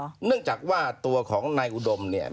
เนื่องจากว่าตัวของนายอุดมเนี่ย